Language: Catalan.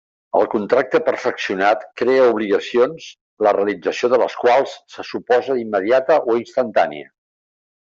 El contracte perfeccionat crea obligacions la realització de les quals se suposa immediata o instantània.